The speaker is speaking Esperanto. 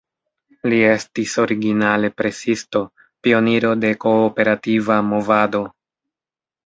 Li estis originale presisto, pioniro de kooperativa movado.